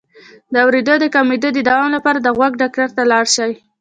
د اوریدو د کمیدو د دوام لپاره د غوږ ډاکټر ته لاړ شئ